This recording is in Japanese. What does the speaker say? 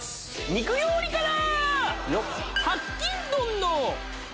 肉料理から！